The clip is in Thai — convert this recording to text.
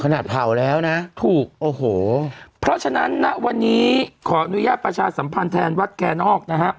เผาแล้วนะถูกโอ้โหเพราะฉะนั้นณวันนี้ขออนุญาตประชาสัมพันธ์แทนวัดแคนอกนะฮะ